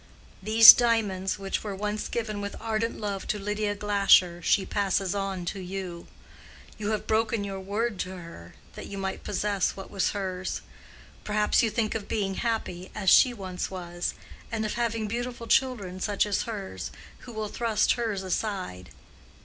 These diamonds, which were once given with ardent love to Lydia Glasher, she passes on to you. You have broken your word to her, that you might possess what was hers. Perhaps you think of being happy, as she once was, and of having beautiful children such as hers, who will thrust hers aside.